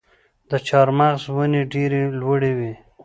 د چهارمغز ونې ډیرې لوړې وي.